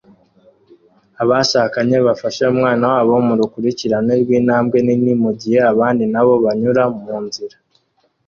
Abashakanye bafashe umwana wabo murukurikirane rwintambwe nini mugihe abandi nabo banyura munzira